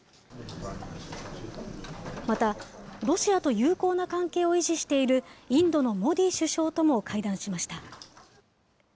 また、ロシアと友好な関係を維持しているインドのモディ首相とも会談しました。